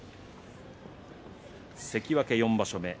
関脇４場所目。